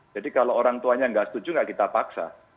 jadi kalau orang tuanya tidak setuju tidak kita paksa